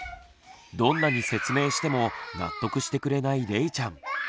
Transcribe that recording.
どんなに説明しても納得してくれないれいちゃん。